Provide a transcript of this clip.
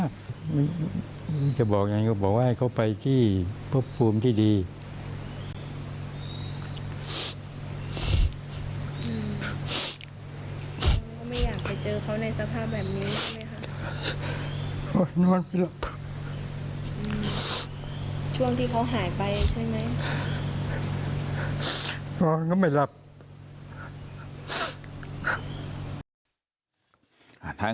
คืออะไรที่ทำให้เราเชื่อหมอดูตรงนั้นเพราะว่า